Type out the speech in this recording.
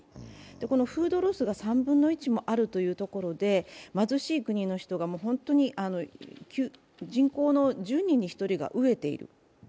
このフードロスが３分の１もあるというところで貧しい国の人が人口の１０人に１人が飢えている。